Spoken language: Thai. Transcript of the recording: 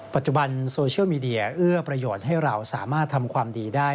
ปัจจุบันโซเชียลมีเดียเอื้อประโยชน์ให้เราสามารถทำความดีได้